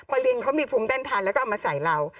พอลิงเขามีภูมิต้านทานแล้วก็เอามาใส่เรา